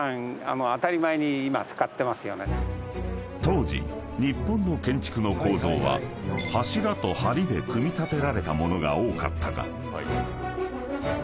［当時日本の建築の構造は柱と梁で組み立てられたものが多かったが］